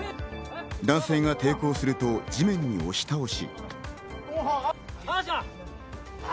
男性が抵抗すると地面に押し倒し。